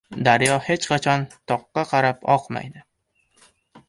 • Daryo hech qachon toqqa qarab oqmaydi.